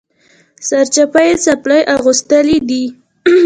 سرچپه یې څپلۍ اغوستلي دي